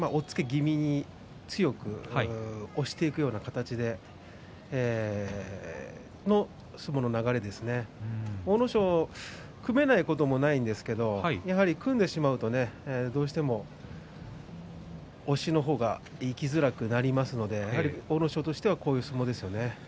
気味に強く押していくような形での相撲の流れでしたが阿武咲は組めないこともないんですが、やはり組んでしまうとどうしても組んでしまうと押しの方が生きづらくなりますのでやはり阿武咲としてはこういう相撲ですよね。